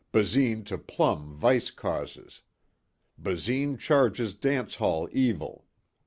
"Basine to Plumb Vice Causes." "Basine Charges Dance Hall Evil."